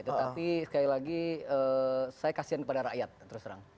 tetapi sekali lagi saya kasihan kepada rakyat terus terang